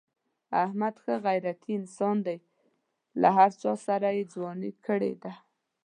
احمد ښه غیرتی انسان دی. له هر چاسره یې ځواني کړې ده.